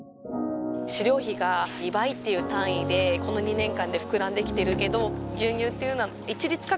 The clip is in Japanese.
飼料費が２倍っていう単位でこの２年間で膨らんで来てるけど牛乳っていうのは一律価格。